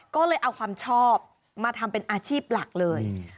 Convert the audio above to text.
ก็เลยเอาความชอบมาทำเป็นอาชีพหลักเลย